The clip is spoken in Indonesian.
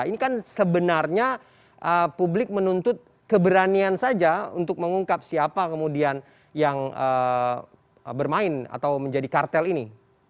ini kan sebenarnya publik menuntut keberanian saja untuk mengungkap siapa kemudian yang bermain atau menjadi kartel ini